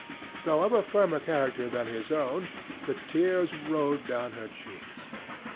Though of a firmer character than his own, the tears rolled down her cheeks.